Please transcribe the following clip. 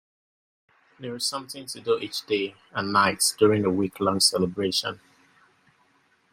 There is something to do each day and night during the week-long celebration.